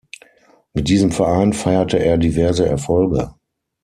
Mit diesem Verein feierte er diverse Erfolge.